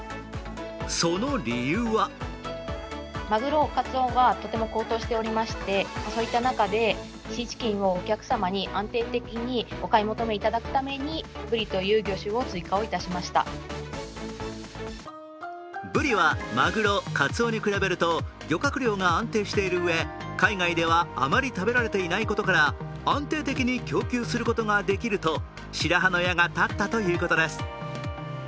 その理由はブリはまぐろ、かつおに比べると漁獲量が安定しているうえ海外ではあまり食べられていないことから、安定的に供給することができると白羽の矢が立ったということです。